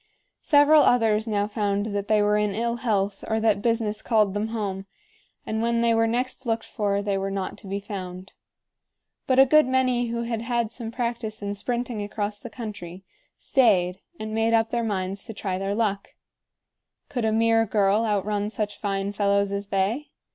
Several others now found that they were in ill health or that business called them home; and when they were next looked for, they were not to be found. But a good many who had had some practice in sprinting across the country stayed and made up their minds to try their luck. Could a mere girl outrun such fine fellows as they?